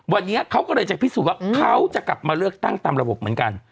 วันนี้เขาก็เลยจะพิสูจน์ว่าเขาจะกลับมาเลือกตั้งตามระบบเหมือนกัน